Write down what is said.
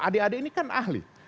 adik adik ini kan ahli